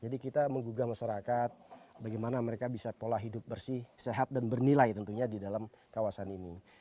jadi kita menggugah masyarakat bagaimana mereka bisa pola hidup bersih sehat dan bernilai tentunya di dalam kawasan ini